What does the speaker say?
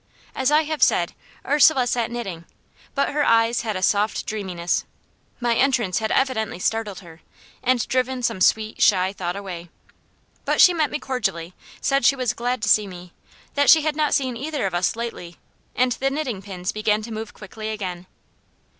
As I have said, Ursula sat knitting, but her eyes had a soft dreaminess. My entrance had evidently startled her, and driven some sweet, shy thought away. But she met me cordially said she was glad to see me that she had not seen either of us lately; and the knitting pins began to move quickly again.